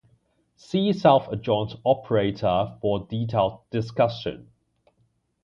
See self-adjoint operator for a detailed discussion.